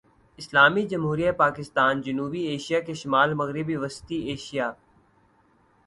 اسلامی جمہوریہ پاکستان جنوبی ایشیا کے شمال مغرب وسطی ایشیا